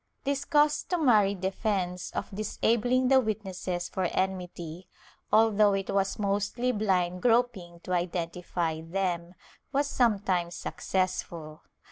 This customary defence of disabling the witnesses for enmity, although it was mostly blind groping to identify them, was some times successful.